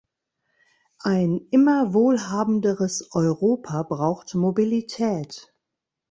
Ein immer wohlhabenderes Europa braucht Mobilität.